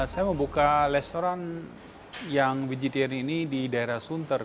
saya membuka restoran vegetarian ini di daerah sunter